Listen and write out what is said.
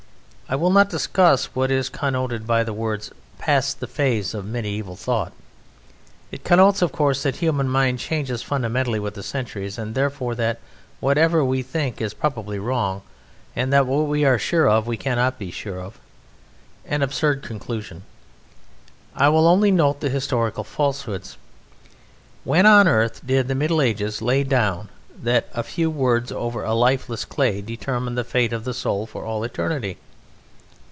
I will not discuss what is connoted by the words "past the phase of mediaeval thought" it connotes of course that the human mind changes fundamentally with the centuries, and therefore that whatever we think is probably wrong, and that what we are sure of we cannot be sure of, an absurd conclusion. I will only note the historical falsehoods. When on earth did the "Middle Ages" lay down that a "few words over lifeless clay determined the fate of the soul for all eternity"?